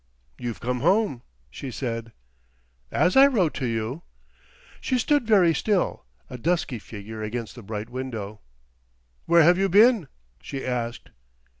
"You've come home," she said. "As I wrote to you." She stood very still, a dusky figure against the bright window. "Where have you been?" she asked.